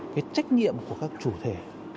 cái trách nhiệm của các chủ thể